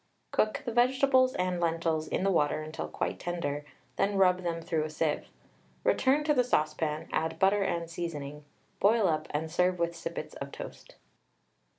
Cook the vegetables and lentils in the water until quite tender, then rub them through a sieve. Return to the saucepan, add butter and seasoning, boil up, and serve with sippets of toast.